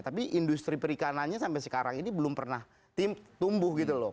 tapi industri perikanannya sampai sekarang ini belum pernah tumbuh gitu loh